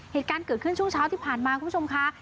เหตุการณ์เกิดขึ้นช่วงเช้าที่ผ่านมาคุณผู้ชมค่ะ